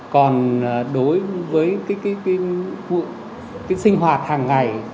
còn đối với cái sinh hoạt hàng ngày